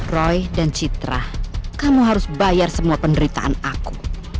roy dan citra kamu harus bayar semua penderitaan aku